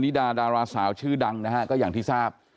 ดาดาราสาวชื่อดังนะฮะก็อย่างที่ทราบ